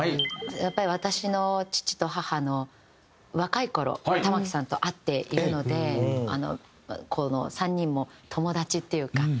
やっぱり私の父と母の若い頃玉置さんと会っているのでこの３人も友達っていうか。